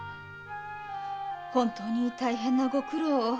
本当に大変なご苦労を。